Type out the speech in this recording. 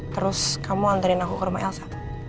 terus kamu antarin aku ke rumah elsa